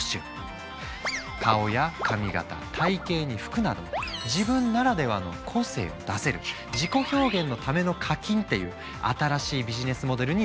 顔や髪形体型に服など自分ならではの個性を出せる自己表現のための課金っていう新しいビジネスモデルになったんだ。